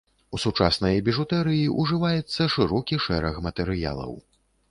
У сучаснай біжутэрыі ўжываецца шырокі шэраг матэрыялаў.